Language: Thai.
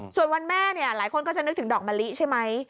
ส่วนวันแม่เนี่ยหลายคนก็จะนึกถึงดอกมะลิใช่ไหม